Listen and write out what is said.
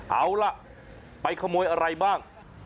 เอาล่ะไปขโมยอะไรบ้าง